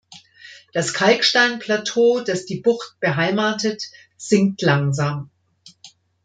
Das Kalksteinplateau, das die Bucht beheimatet, sinkt langsam.